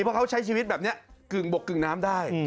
เพราะเขาใช้ชีวิตแบบนี้กึ่งบกกึ่งน้ำได้